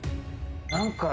何か。